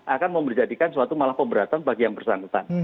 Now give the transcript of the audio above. akan memberjadikan suatu malah pemberatan bagi yang bersangkutan